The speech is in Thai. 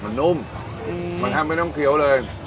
มันนุ่มมันแทบไม่ต้องเคี้ยวเลย